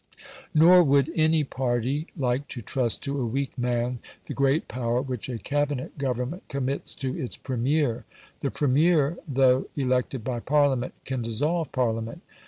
Nor would any party like to trust to a weak man the great power which a Cabinet government commits to its Premier. The Premier, though elected by Parliament can dissolve Parliament.